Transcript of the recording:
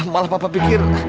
malah papa pikir